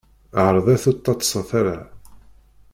Ɛeṛḍet ur d-ttaḍsat ara.